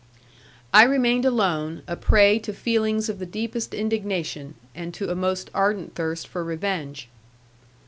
I remained alone, a prey to feelings of the deepest indignation, and to a most ardent thirst for revenge.